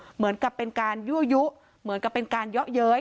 เหมือนกับเป็นการยั่วยุเหมือนกับเป็นการเยาะเย้ย